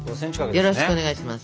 よろしくお願いします。